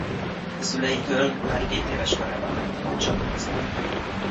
A szüleitől már kétéves korában megtanult sakkozni.